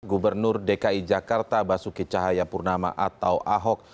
gubernur dki jakarta basuki cahaya purnama atau ahok